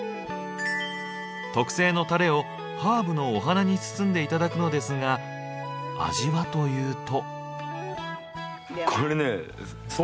特製のタレをハーブのお花に包んで頂くのですが味はというと。